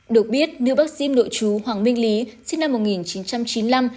được biết nữ bác sĩ nội chú hoàng minh lý sinh năm một nghìn chín trăm chín mươi năm